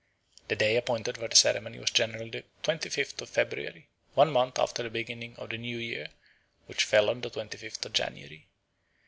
The day appointed for the ceremony was generally the twenty fifth of February, one month after the beginning of the new year, which fell on the twenty fifth of January.